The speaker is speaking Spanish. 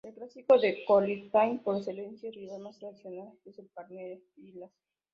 El clásico de Corinthians por excelencia, y rival más tradicional es el Palmeiras.